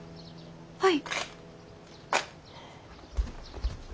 はい。